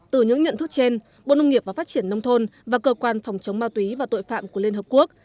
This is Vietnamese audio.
từ những nhận thức trên bộ nông nghiệp và phát triển nông thôn và cơ quan phòng chống ma túy và tội phạm của liên hợp quốc